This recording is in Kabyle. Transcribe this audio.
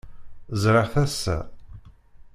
Ẓṛiɣ-t ass-a.